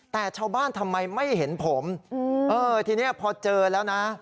แต่ชาวบ้านทำไมไม่เห็นผมเออทีนี้พอเจอแล้วนะ